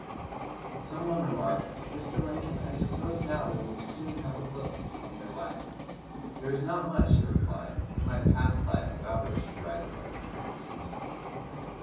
Some one remarked, 'Mr. Lincoln, I suppose now we will soon have a book containing your life.' 'There is not much,' he replied, 'in my past life about which to write a book, as it seems to me.